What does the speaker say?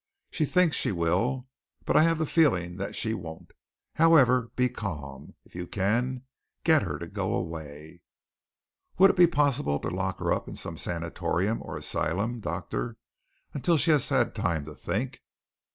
She thinks she will, but I have the feeling that she won't. However, be calm. If you can, get her to go away." "Would it be possible to lock her up in some sanatorium or asylum, doctor, until she has had time to think?"